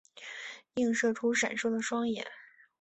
映射出闪烁的双眼